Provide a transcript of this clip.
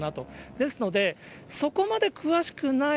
ですので、そこまで詳しくない